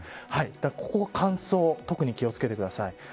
ここは乾燥に特に気を付けてください。